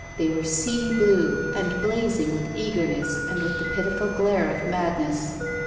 They were sea blue and blazing with eager ness and with the pitiful glare of madness.